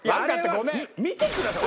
見てください。